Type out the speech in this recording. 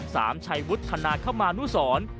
สามชัยวุฒนาคมานุสร